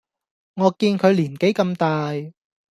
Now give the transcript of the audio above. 我見佢年紀咁大